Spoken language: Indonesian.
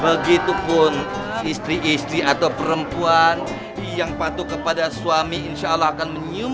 begitupun istri istri atau perempuan yang patuh kepada suami insya allah akan menyinggung